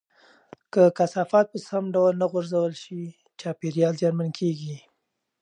که کثافات په سم ډول نه غورځول شي، چاپیریال زیانمن کېږي.